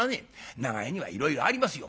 長屋にはいろいろありますよ。